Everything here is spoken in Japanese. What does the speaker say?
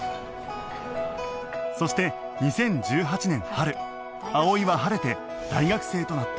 そして２０１８年春葵は晴れて大学生となった